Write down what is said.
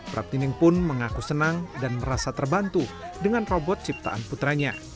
praptining pun mengaku senang dan merasa terbantu dengan robot ciptaan putranya